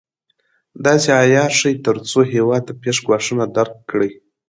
داسې عیار شي تر څو هېواد ته پېښ ګواښونه درک کړي.